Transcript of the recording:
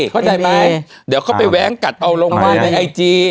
เข้าใจไหมเดี๋ยวเขาไปแว้งกัดเอาลงมาในไอจี